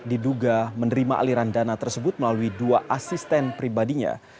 diduga menerima aliran dana tersebut melalui dua asisten pribadinya